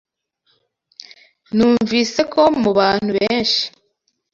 Numvise ko mubantu benshi.